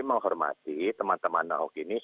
menghormati teman teman ahok ini